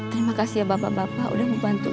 terima kasih ya bapak bapak udah membantu